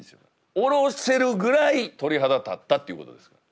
おろせるぐらい鳥肌立ったっていうことです。